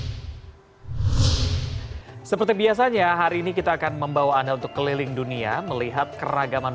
seperti biasanya hari ini kita akan membawa anda untuk keliling dunia melihat keragaman